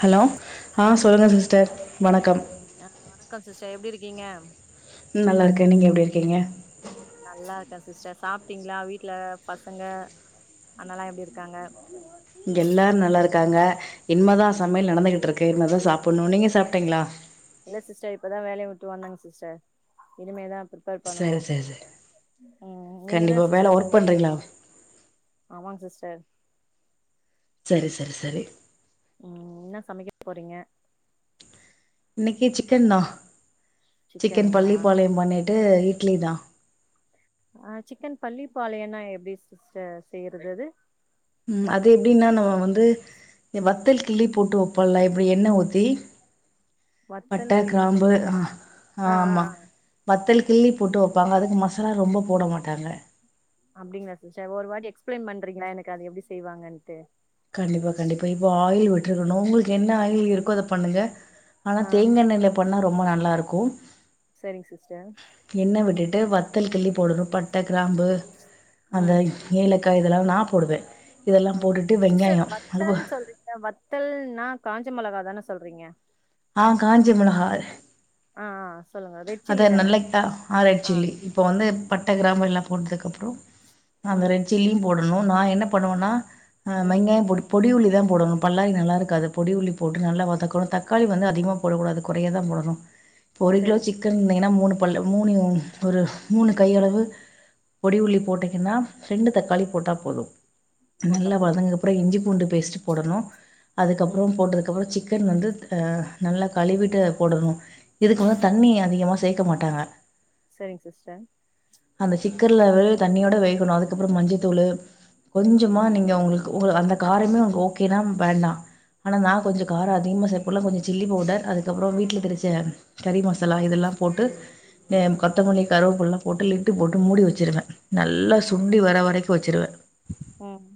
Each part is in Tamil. ஹலோ ஆ சொல்லுங்க சிஸ்டர் வணக்கம். ஆ வணக்கம் சிஸ்டர் எப்டி இருக்கீங்க ம் நல்லாருக்கே நீங்க எப்டி இருக்கீங்க? நல்லா இருக்கே சிஸ்டர் சாப்டிங்ளா? வீட்ல பசங்க அண்ணால்லா எப்டிருக்காங்க? இங்கெல்லாரு நல்லாருக்காங்க இன்மதா ம் சமையல் நடந்துகிட்ரு க்கு இருமதா சாப்புண்ணு நீங்க சாப்டைங்ளா? இல்ல சிஸ்டர் இப்பதா வேலைய விட்டு வந்தங் சிஸ்டர் இனிமேதா ப்ரி ப்பேர் பண்ணனு சரி சரி சரி ம் நீங்க என்ன கண்டிப்பாக வேலை ஒர்க் சிஸ்ட பண்ணுறீங்களா [inaudible] ஆமாங் சிஸ்டர். சரி சரி சரி. ம் என்னா சமைக்க போறீங்க? இன்னிக்கி சிக்கன் தா சிக்கன் சிக்கனுங்களா பள்ளிப்பாளையம் பண்ணிட்டு இட்லி தா. அ சிக்கன் பள்ளிப்பாளையன்னா எப்டி சிஸ்டர் செய்றது அது? ம் அது எப்டின்னா நம்ம வந்து வத்தல் கிள்ளி போட்டு வெப்பொல்ல இப்பிடி எண்ண ஊத்தி வத்தல் பட்ட கிள்ளி போட் கிராம்பு அ ஆ ஆமா வத்தல் கிள்ளி போட்டு வப்பாங்க அதுக்கு மசாலா ரொம்ப போட மாட்டாங்க. அப்டிங்ளா சிஸ்டர் ஒரு வாட்டி எக்ஸ்பிளைன் பண்றீங்ளா எனக்கு அது எப்டி செய்வாங்கன்ட்டு. கண்டிப்பா கண்டிப்பா இப்போ ஆயில் விட்ருக்கணு உங்குளுக்கு என்ன ஆயில் இருக்கோ அத பண்ணுங்க. ஆனா ஆ தேங்கெண்ணயில பண்ணா ரொம்ப நல்லா இருக்கு. சரிங் சிஸ்ட. வத்தல் கிள்ளி போடணு பட்ட, கிராம்பு அந்த ம் ஏல க்கா இதெல்லா நா போடுவே இதெல்லாம் ம் போட்டுட் சிஸ்டர் வத்தல் சொல்றீங்கல வத்தல்ன்னா காஞ்ச மெளகா தான சொல்றீங்க. ஆ காஞ்ச மிளகாய் ஆ ஆ சொல்லுங்க ரெட் அத சில்லி தான நல்லக்ட்டா அ ரெட் ஆ சில்லி இப்ப வந்து பட்ட, கிராம்பு எல்லாம் போட்துக்கு அப்புறோ அந்த ம் ரெட் சில்லியும் போடணு நா என்ன பண்ணுவன்னா அ ம் மெங்காயம் பொடி பொடி உள்ளி தா போடணு பல்லாரி நல்லா இருக்காது பொடி உள்ளி போட்டு நல்லா வதக்கணு தக்காளி வந்து அதிகமா போடக்கூடாது கொறையா தா போடணு இப்போ ஒரு கிலோ சரிங்க சிக் சிஸ் அ மூணு பல்லு மூணு ஒரு மூணு கையளவு பொடி உள்ளி போட்டிங்கன்னா ரெண்டு தக்காளி போட்டா போதும். போட்டா நல்லா போது வதங்க அப்புற இஞ்சி பூண்டு பேஸ்ட் போடணு அதுக்கப்புறோ ம் போட்டதுக்கப்புறோ சிக் க்கன் வந்துத் அ நல்லா கழுவிட்டு போடணு இதுக்கு வ தண்ணி அ திகமா சேக்க மாட்டாங்க. செரிங் சிஸ்ட. அந்த சிக்கர்ல விழற தண்ணியோட வேகணு அதுக்கப்புறம் மஞ்சத்தூளு கொஞ்சமா நீங்க உங்குளுக்கு உ அந்த காரைமே உங்கு ஓகேனா வேண்டா. ஆனா நா கொஞ்சோ காரோ அதிகமா சேப்பல்ல கொஞ்சோ சில்லி பவுடர் அதுக்கப்புறோ வீட்ல திரிச்ச கறி மசாலா இதெல்லா போட்டு நெ ம் கொத்தமல்லி கருவேப்பில்லா போட்டு லி ட்டு போட்டு மூடி வெச்சிருவெ நல்லா சுண்டி வர வரைக்கு வெச்சிருவெ. ம்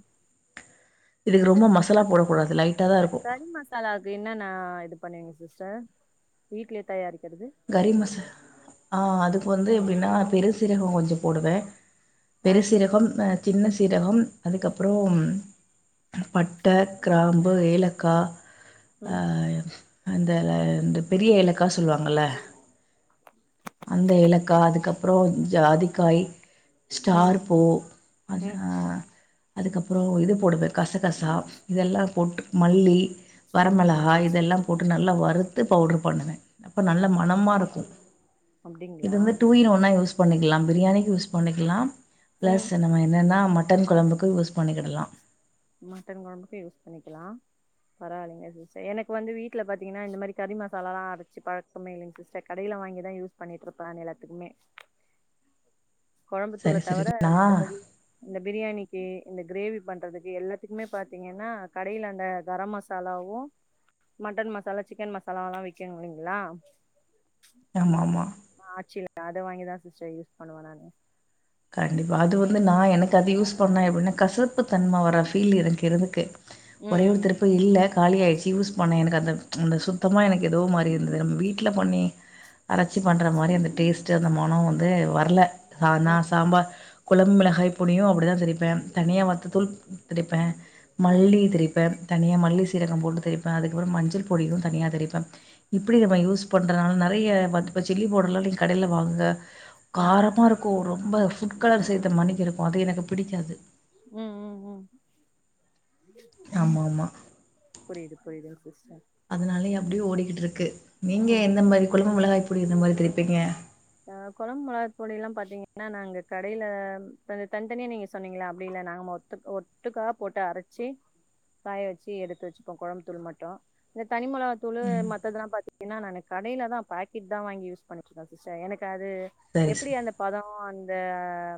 இதுக்கு ரொம்ப மசாலா போடக்கூடாது லைட்டாக தான் இருக்கும் கரி மசாலாவுக்கு என்னன்ன இது பண்ணுவீங்க சிஸ். டர் வீட்லே தயாரிக். கரிமச ஆ அதுக்கு வந்து எப்டின்னா பெரு சீரகோ கொஞ்சோ போடுவே. ஆ பெருசீரகம் அ சின்ன சீரகம் அதுக்கப்புறோம். பட்ட கிராம்பு ஏலக்கா. அ ம் அந்த இந்த பெரிய ஏலக்கா சொல்லுவாங்கல்ல. அந்த ஏலக்கா அதுக்கப்புறோ ஜாதிக்காய். ஸ்டார் ம் பூ அந்த ம் அ அதுக்கப்புறோ இது போடுவே கசகசா இதெல்லா ம் போட்டு மல்லி ம் வரமெளகாய் இதெல்லா போட்டு நல்லா வறுத்து பவுடர் பண்ணுவ அப்ப நல்ல மணமாருக்கு இது அப்டிங்களா வந்து டூ இன் ஒன்னா யூஸ் பண்ணிக்லா பிரியாணிக்கி யூஸ் பண்ணிக்கிலா ம் பிளஸ் நம்ம என்னன்னா மட்டன் கொழம்புக்கு யூஸ் பண்ணிக்கிடலா மட்டன் கொழம்புக்கு யூஸ் பண்ணிக்கலா. பரவால்லீங்க சிஸ்டர் எனக்கு வந்து வீட்ல பாத்தீங்கன்னா இந்த மாரி கறி மசாலாலா அரைச்சு பழக்கமே இல்லைங் சிஸ்டர் கடையில. தா வாங்கிதா யூஸ் பண்ணிட்டுருப்பே எல்லாத்துக்குமே. சரி கொழம்புத்தூளத் சரி தவர நா மத்தபடி இந்த பிரியாணிக். கி இந்த கிரேவி பண்றதுக்கு எல்லாத்துக்குமே பாத்தீங்கன்னா கடையில அந்த கரம் மசாலாவு மட்டன் மசாலா சிக்கன் மசாலால்லா விக்குல்லைங்ளா. ஆமா ஆமா ஆ ஆட்சி அத வாங்கிதா சிஸ்டர் யூஸ் பண்ணுவ நானு. கண்டிப்பா அது வந்து நா எனக்கு அது யூஸ். பண்ண எப்டின்னா கசப்பு தன்ம வர ஃபீல் எனக்கு இருக்கு ஒரே ஒரு ம் திருப்பு இல்ல. காலியாயிடுச்சி யூஸ் பண்ணே எனக்கு அந்த அந்த சுத்தமா எனக்கு ஏதோ மாரி இருந்தது நம்ம வீட்ல பண்ணி அரைச்சி பண்ற மாரி அந்த டேஸ்ட்டு அந்த மணம் வந்து வர்ல ம் ரொம்ப கொழம்பு காய் பொடியு அப்பிடிதா திரிப்பே தனியா வத்த தூள் திரிப்பே ம் ம் மல்லி திரிப்ப. தனியா மல்லி சீரகம் போட்டு திரிப்ப அதுக்கப்புறோ மஞ்சள் பொடியு தனியா தரிப்பே இப்பிடி நம்ம யூஸ் பண்றதுனால. நெறைய இப்போ சில்லி பவுடர்லா நீங்க கடையில வாங்க. ம் காரமாருக்கு ரொம்ப ஃபுட் கலர் செய்த மணிக்கிருக்கு அது எனக்கு புடிக்காது ம் ம் ம் ஆமாமா புரியுது புரியுதுங்க சிஸ்டர் அதனாலயே அப்டியே ஓடிக்கிட்டுருக்கு. நீங்க எந்த மாரி கொழம்பு மொளகாய் புடி இந்த மாரி திருப்பீங்க? ஆ கொழம்பு மொளகாப் பொடியேலா பாத்தீங்கன்னா நா நாங்க கடையில கொஞ்ச தனித்தனியே நீங்க சொன்னீங்கல அப்படில்ல. நாங்க மொத்தக் ஒட்டுக்கா போட்டு அரச்சி. காய வெச்சி எடுத்து வெச்சுப்போ கொழம்பு தூள் மட்டு இந்த தனி மொளவா தூளு மத்ததெல்லா பாத்தீங்கன்னா நானு கடையில தா பாக்கெட் தா வாங்கி யூஸ் பண்ணிட்டுருக்கோ சிஸ்டர் எனக் கு அது சரி எப்பிடி சரி அந்த பதோ அந்த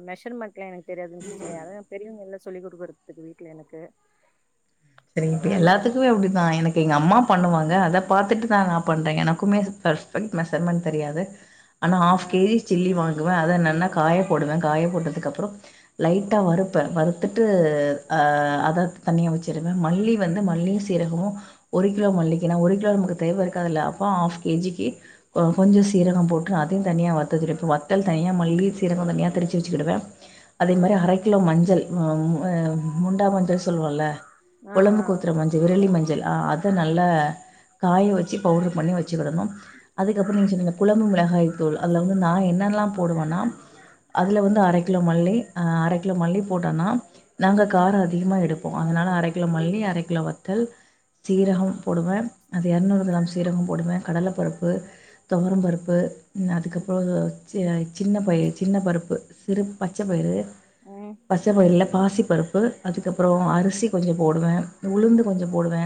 மெஷர்மெண்ட்லா எனக் தெரியாது சிஸ்டர் யாராவது பெரியவங்க இல்ல சொல்லி் குடுக்கறதுக்கு வீட்ல எனக்கு செரிங் இப்ப அதனால எல்லாத்துக்குமே அப்டித்தா எனக்கு எங்க அம்மா பண்ணுவாங் வாங்க அத பாத்துட்டு தா நா பண்றே எனக்குமே சுத்த மெஷர்மெண்ட் தெரியாது. ஆனா ஹாப் கேஜி சில்லி வாங்குவே அத நன்னா காய போடுவே காய போட்டதுக்கு அப்புறோ லைட்டா வரு ப்ப வறுத்துட்டு அத தண்ணிய வச்சு ச்சுருவே மல்லி வந்து மல்லி சீரகுமு ஒரு கிலோ மல்லிக்கனா ஒரு கிலோ நமக்கு தேவ இருக்காதல்ல அப்போ கேஜிக்கி போ கொஞ்சோ சீரகம் போட்டு அதையு தனியா வறுத்தேடுத்துட்டு இப்போ வத்தல் தனியா மல்லி சீரகோ தனியா திரிச்சி வச்சிகிடுவே அதே மாரி ம் அரை கிலோ மஞ்சள் ம மு முண்டா மஞ்சள் சொல்லுவோல ஆ ஆ கொழம்புக்கு ஊத்துற மஞ்சள் விரளி மஞ்சள் ஆ அத நல்லா காய வெச்சு பவுடர் பண்ணி வச்சிகிடணு அதுக்கப்புறோ நீங்க சொன்னீங்க குழம்பு மெளகாய் தூள் அதுல வந்து நா என்னெல்லா போடுவேன்னா அதுல வந்து ம் அர கிலோ மல்லி அ அர கிலோ மல்லி போட்டோனா நாங்க ம் காரோ அதிகமா எடுப்போ அதனால அர கிலோ மல்லி அரை கிலோ வத்தல் ம் சீரகம் போடுவே அது இரநூறு கிராம் சீரகோ போடுவே கடலப்பருப்பு துவரம் ம் பருப்பு அதுக்கப்றோ சிற சின்ன பயிரு சின்ன பருப்பு சிறு பச்ச பயிறு ம் பச்சை பயிருல்ல பாசி பருப்பு அதுக்கப்றோ அரிசி கொஞ்சோ போடுவே உளுந்து கொஞ்சோ போடுவே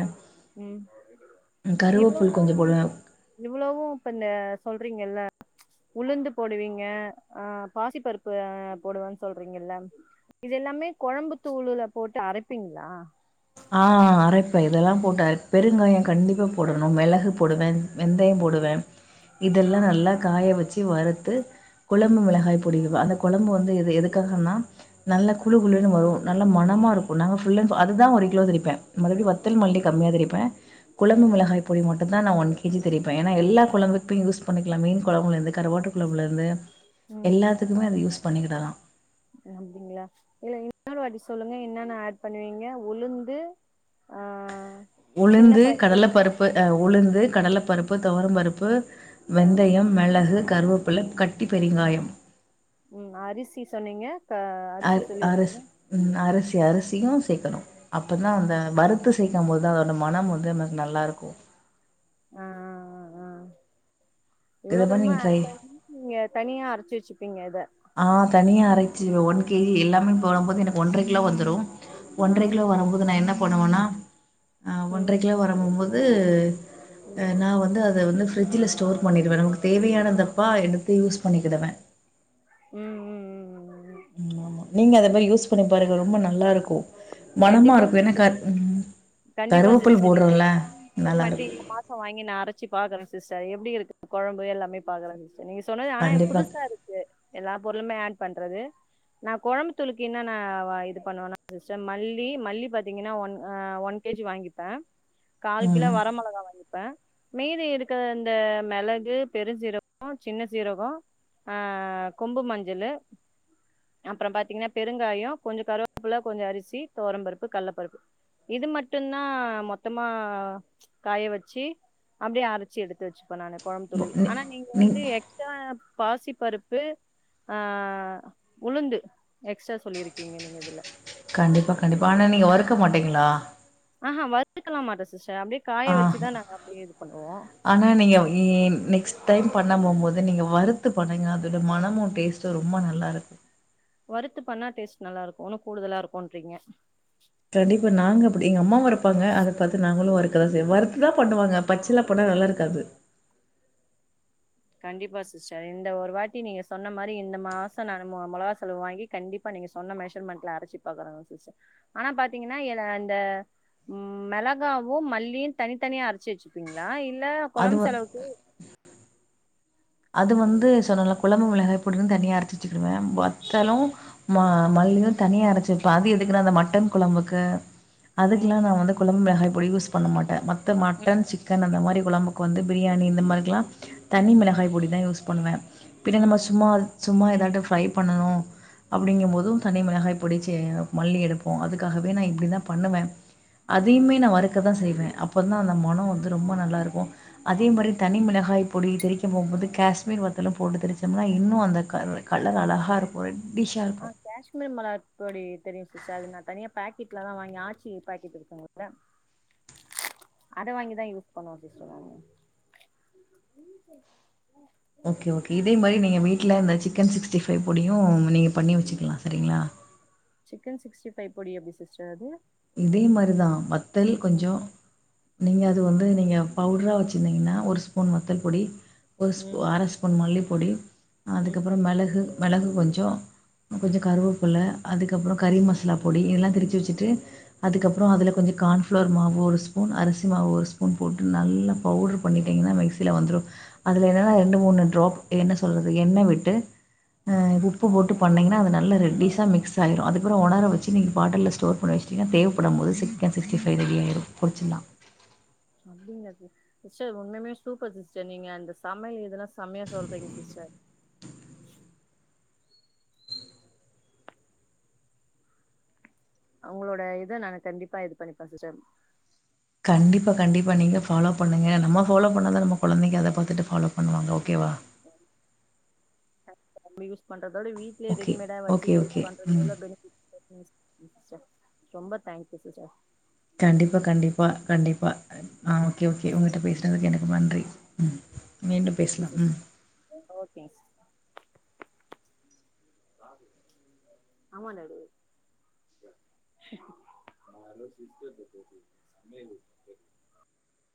ம் கருவேப்புல் இவ்ளவு கொஞ்சோ நீங் போடுவே இவ்ளவு இப்ப இந்த சொல்றீங்கல்ல [inaudible] உளுந்து போடுவீங்க ஆ பாசி பருப்பு போடுவன் சொல்றீங்கல்ல இது எல்லாமே கொழம்புத்தூளுல போட்டு அரைப்பீங்ளா ஆ அரைப்பே இதெல்லா போட்டு அர பெருங்காயோ கண்டிப்பா போடணு மெளகு போடுவே வெந்தயம் போடுவே இதெல்லா ஆ நல்லா காய வச்சு வறுத்து குழம்பு மிளகாய் பொடி அந்த குழம்பு வந்து எது எதுக்காகன்னா நல்ல குலு குலுன்னு வரு நல்ல மனமாருக்கு நாங்க ஃபுல் அண்ட் அதுதா ஒரு கிலோ திரிப்பே மறுபடி வத்தல் மல்லி கம்மியா திரிப்பே குழம்பு ம் மிளகாய் பொடி மட்டு ட் னா நா ஒன் கேஜி திரிப்பே ஏனா எல்லா குழம்புக்கு யூஸ் பண்ணிக்லா மீன் குழம்புலேருந்து கருவாட்டு குழம்முலேருந்து ம் அப்டிங்ளா இல்ல இன்னொரு வாட்டி சொல் சொல்லுங்க என்னன்ன அட் பண்ணுவீங்க உளுந்து ஆ சின்ன உளுந்து பய கடல பருப்பு அ உளுந்து கடல பருப்பு துவரம் பருப்பு ஆ வெந்தயம் மெளகு கருவப்புல கட்டி பெருங்காயோ ம் அரிசி சொன்னீங்க க அரிசி சொல்லிருந்தீங்க அரிசி அரி அரிசி அரிசியு சேக்கணு அப்பதா அந்த வருத்து சேக்கம்போது அதோட மனம் வந்து நமக்கு நல்லாருக்கு ஆ ஆ ஆ இவ்ளோ இத மாரி தரமு நீங்க ட்ரை ஆட் பண்ண தனியா அரைச்ச திருச்சிப்பிங்க இத ஆ தனியா அரைச்சு ஒன் கேஜி எல்லாமே போடம்போது எனக்கு ஒன்றர கிலோ வந்துரு ஆ ஒன்றர கிலோ வரம்போது நா என்ன பண்ணுவனா அ ம் ஒன்றர கிலோ வரம்போது அ ம் நா வந்து அ அத வந்து ஃபிரிஜில ஸ்டோர் பண்ணிடுவே நமக்கு தேவையானதப்பா எடுத்து யூஸ் பண்ணிக்கிடுவே ம் ம் ம் ஆமா நீங்க அத மரி யூஸ் பண்ணி பாருங்க ரொம்ப நல்லாருக்கு மனமா கண்டிப்பா ருக்கு ஏனா சிஸ்டர் கண்டிப்பா சிஸ்டர் நீங்க சொன்ன [inaudible] மாரி நல்லாருக்கு இந்த மாசோ வாங்கி நா அரைச்சி பாக்குறே சிஸ்டர் எப்டி இருக்கு கொழம்பு எல்லாமே பாக்குற சிஸ்டர் நீங்க சொன்னது ஆனா எனக் கண்டிப்பா புதுசாருக்கு எல்லா பொருளுமே அட் பண்றது நா கொழம்பு தூளுக்கு என்னனா இது பண்ணுவ சிஸ்டர் மல்லி மல்லி பாத்தீங்னா ஒ ஒன் கேஜி வாங்கிப்பே கால் கிலோ ம் வர மிளகா வாங்கிப்பே மீதி இருக்குற அந்த மெளகு பெருஞ்சீரகோ சின்ன சீரகோ அ கொம்பு மஞ்சளு அப்றோ பாத்தீங்னா பெருங்காயோ கொஞ்சோ கருவேப்புள்ள கொஞ்சோ அரிசி தொவரம் பருப்பு கல்லப்பருப்பு இது மட் மட்டுதா மொத்தமா காய வச்சு அப்டே அரைச்சி எடுத்து வச்சுப்பே நானு கொழம்பு தூளு நீ ஆனா நீங்க நீ வந்து எக்ஸ்ட்ரா பாசி பருப்பு ஆ உளுந்து எக்ஸ்ட்ரா சொல்லிருக்கீங்க நீங்க இதுல கண்டிப்பா கண்டிப்பா ஆனா நீங்க வறுக்க மாட்டீங்ளா ஆ ஹா வறுத்துக்கலா மாட்டே சிஸ்டர் அப்டே காய ஆஹா வச்சுதா நாங்க அப்டே இது பண்ணுவோ ஆனா நீங்க இ நெக்ஸ்ட் டைம் பண்ண போம்போது நீங்க வறுத்து பண்ணுங்க அதோட மனமு டேஸ்ட்டு ரொம்ப நல்லாருக்கு வறுத்து பண்ணா டேஸ்ட் நல்லாருக்கு இன்னு கூடுதலாருக்குன்றீங்க இப்டி எங்கம்மாவு வறுப்பாங்க அத பாத்து நாங்களு வறுக்கதா செய் வறுத்து தா பண்ணுவாங்க ஆ பச்சலா பண்ணா நல்லாருக்காது கண்டிப்பா சிஸ்டர் இந்த ஒரு வாட்டி நீங்க சொன்ன மாரி இந்த மாசோ நா மொளகா செலவு வாங்கி கண்டிப்பா நீங்க சொன்ன மெஷர்மெண்ட்ல அரச்சு பாக்கறங்க சிஸ்டர் ஆனா பாத்தீங்கன்னா ஏன அந்த ம் மெளகாவு மல்லியு தனித்தனியா அரச்சு வச்சுப்பீங்ளா இல் இல்ல அது கொழம்பு வந் செலவுக்கு அது வந்து சொன்னல்ல குழம்பு மிளகாய் பொடினு தனியா அரச்சு வச்சிகிடுவ வத்தலு ம மல் லியு தனியா அரச்சிருப்ப அது எதுக்குன்னா அந்த மட்டன் குழம்புக்கு ம் அதுக்குல்லா நா வந்து குழம்பு மிளகாய் பொடி யூஸ் பண்ண மாட்ட மத்த ம் மட்டன் சிக்கன் அந்த மாரி குழம்புக்கு வந்து பிரியாணி இந்த மாதிரில்லாம் தனி மிளகாய் பொடி தா யூஸ் பண்ணுவ பின்ன நம்ம ம் சும்மா சும்மா ஏதாட்டு ஃப்ரை பண்ணணு ம் அப்டிங்கும் போதும் தனி மிளகாய் பொடிச்சே மல்லி எடுப்போ அதுக்காகவே நா இப்டி தா பண்ணுவ ஆ அதையுமே நா வறுக்க தா செய்வ அப்பந்தா அந்த மனோ வந்து ரொம்ப நல்லா இருக்கு அதே அப்டி மாரி தனி மிளகாய் பொடி திரிக் க போம்போது கஷ்மீர் வத்தல போட்டு திரிச்சம்னா இன்னு அந்த க கலர் அழகா இருக்கு ரெட் ஆ கஷ்மீர் மெளகா பொடி தெரியு சிஸ்டர் அது நா தனியா பேக்கெட் ல தா வாங்கி ஆச்சி பேக்கெட் இருக்குங்குல்ல அ வாங்கிதா யூஸ் பண்ணுவோ சிஸ்டர் நானு ஓகே ஓகே இதே மாரி நீங்க வீட் ட்ல இந்த சிக்கன் சிக்ஸ்டி ஃபைவ் பொடியு நீங்க பண்ணி வச்சுக்கலா சரிங்ளா சிக்கன் சிக்ஸ்டி பைவ் பொடி எப்டி சிஸ்டர் அது இதே மாரிதா வத்தல் ம் கொஞ்சோ நீங்க அது வந்து நீங்க பவ்ட்ரா வச்சிருந்தீங்கன்னா ஒரு ஸ்பூன் வத்தல் பொடி ஒரு ஸ்பூ ம் அர ஸ்பூன் மல்லிப்பொடி ம் அதுக்கப்றோ மெளகு மெளகு கொஞ்சோ கொஞ்சோ கருவேப்பில்ல அதுக்கப்றோ கறி மசாலா பொடி இதெல்லா திரச்சு வச்சுட்டு அதுக்கப்புறோ அதுல கொஞ்சோ கான்பிஃளார் மாவு ஒரு ஸ்பூன் அரிசி மாவு ஒரு ஸ்பூன் போட்டு நல்லா பவ்டர் பண்ணி டிங்கன்னா மிக்சில வந்துரு அதுல என்னன்னா ரெண்டு மூணு ட்ராப் என்ன சொல்றது எண்ணெ விட்டு அ உப்பு போட்டு பண்ணீங்கன்னா அது நல்லா ரெட்டிஸா மிக்ஸ் ஆய்ரு அதுப்றோ உணர வச்சு நீங்க பாட்டில்ல ஸ்டோர் பண்ணி னா தேவப்படும் போது சிக்கன் சிஸ்டி பைவ் ரெடி ஆயிரு பொரிச்சுலா அப்டிங்லா சிஸ் சிஸ்டர் உண்மயுமே சூப்பர் சிஸ்டர் நீங்க அந்த சமையல் இதுல்லா செமையா சொல்றீங்க சிஸ் டர் உங்களோட இத நானு கண்டிப்பா இது பண்ணிப்ப சிஸ்டர் கண்டிப்பா கண்டிப்பா நீங்க ஃபாலோ பண்ணுங்க நம்ம ஃபாலோ பண்ணா தா நம்ம கொழந்தைங்க அத பாத்துட்டு ஃபாலோ பண்ணுவாங்க ஓகேவா நம்ம யூஸ் பண் அதோட வீட்லயே ஓகே. ரெடிமேடா வச்சு ஓகே, யூஸ் ஓகே. பண்றது ம். எவ்ளோ பெணிபிட் [unintelligible] சிஸ்டர் ரொம்ப தங்க்யூ சிஸ்டர் கண்டிப்பா கண்டிப்பா கண்டிப்பா ஆ ஓகே ஓகே உங்கிட்ட பேசுனதுக்கு எனக்கு நன்றி ம் மீண்டும் தங்க்யூ பேசலாம். சிஸ் ம். ஓகேங் சீஸ் ஆமா டடி [inaudible]